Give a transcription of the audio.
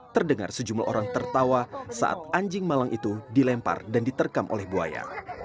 terdengar sejumlah orang tertawa saat anjing malang itu dilempar dan diterkam oleh buaya